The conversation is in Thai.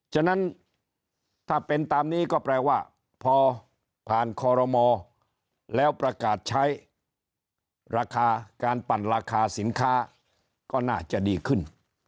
ฉะนั้นถ้าเป็นตามนี้ก็แปลว่าพอผ่านคอรมอแล้วประกาศใช้ราคาการปั่นราคาสินค้าก็น่าจะดีขึ้น